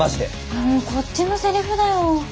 もうこっちのセリフだよ。